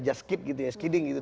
just kidding gitu ya